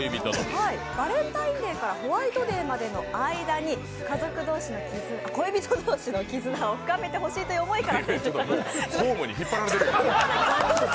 バレンタインデーからホワイトデーまでの間に恋人同士の絆を深めてほしいということから「ｈｏｍｅ」に引っ張られてる。